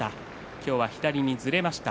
今日は左にずれました。